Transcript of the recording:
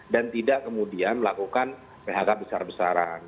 dan tidak kemudian melakukan phk besar besaran